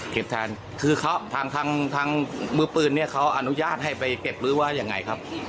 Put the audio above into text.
แทนคือเขาทางทางมือปืนเนี่ยเขาอนุญาตให้ไปเก็บหรือว่ายังไงครับ